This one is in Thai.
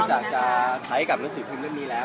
จากจะใช้กับหนังสือพิมพ์เรื่องนี้แล้ว